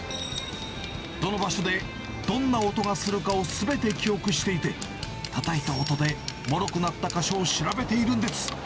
どの場所でどんな音がするかをすべて記憶していて、たたいた音でもろくなった箇所を調べているんです。